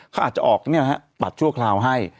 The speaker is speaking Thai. เขาอาจจะออกปัดชั่วคราวให้